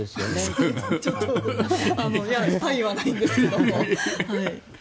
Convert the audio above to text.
いや他意はないんですけども。